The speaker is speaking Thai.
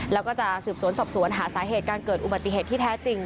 แล้วก็จะสืบสวนสอบสวนหาสาเหตุการเกิดอุบัติเหตุที่แท้จริง